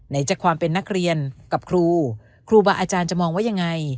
จากความเป็นนักเรียนกับครูครูบาอาจารย์จะมองว่ายังไง